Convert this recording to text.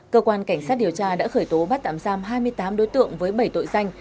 cơ quan cảnh sát điều tra đã khởi tố bắt tạm giam hai mươi tám đối tượng với bảy tội danh